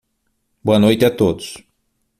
Boa noite a todos.